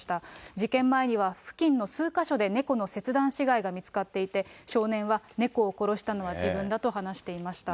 事件前には付近の数か所で猫の切断死骸が見つかっていて少年は猫を殺したのは自分だと話していました。